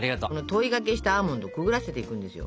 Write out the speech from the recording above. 糖衣がけしたアーモンドをくぐらせていくんですよ。